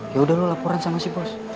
yaudah lu laporan sama si bos